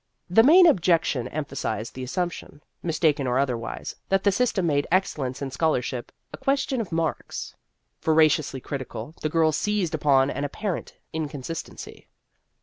The main objection emphasized the assumption, mistaken or otherwise, that the system made excellence in scholarship a question of marks. Voraciously critical, the girls seized upon an apparent inconsistency.